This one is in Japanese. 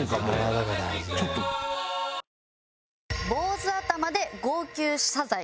坊主頭で号泣謝罪。